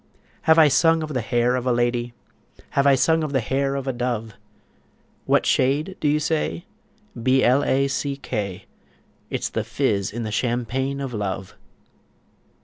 Have I sung of the hair of a lady? Have I sung of the hair of a dove? What shade do you say? B L A C K; It's the fizz in the champagne of love.